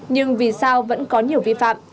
nhưng vì sao vẫn có nhiều vi phạm